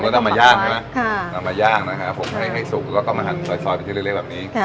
แล้วนำมาย่างใช่ไหมค่ะนำมาย่างนะฮะผมให้ให้สุกก็ต้องมาหันซอยซอยไปที่เล็กเล็กแบบนี้